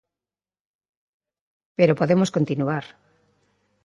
Pero podemos continuar.